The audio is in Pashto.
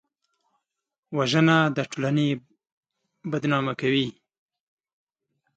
وژنه د ټولنې بدنامه کوي